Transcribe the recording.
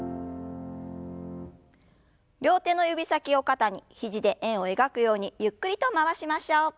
両手の指先を肩に肘で円を描くようにゆっくりと回しましょう。